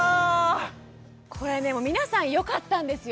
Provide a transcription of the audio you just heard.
これでも皆さんよかったんですよ。